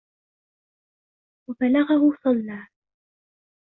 وَبَلَغَهُ صَلَّى